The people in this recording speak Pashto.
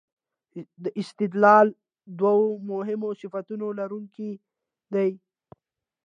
دا استدلال د دوو مهمو صفتونو لرونکی دی.